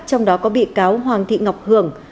trong đó có bị cáo hoàng thị ngọc hường